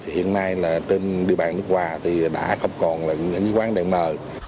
hiện nay trên địa bàn nước hòa thì đã không còn những quán đèn mờ